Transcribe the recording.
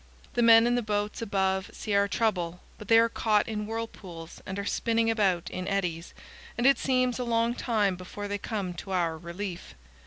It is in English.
The men in the boats above see our trouble, but they are caught in whirlpools and are spinning about in eddies, and it seems a long time before they come to our relief.